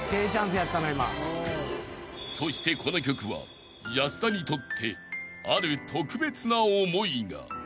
［そしてこの曲は保田にとってある特別な思いが］